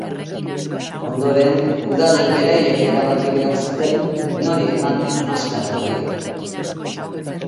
Ondoren, udalek beraiek erabaki behar zuten nori eman maskara horiek.